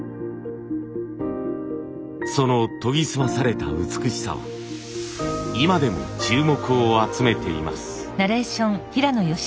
その研ぎ澄まされた美しさは今でも注目を集めています。